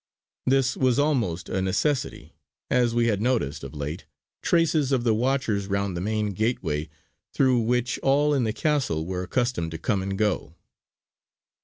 This was almost a necessity, as we had noticed of late traces of the watchers round the main gateway through which all in the castle were accustomed to come and go.